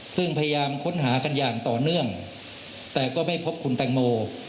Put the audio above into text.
ซึ่งพยายามค้นหากันอย่างต่อเนื่องแต่ก็ไม่พบคุณแตงโม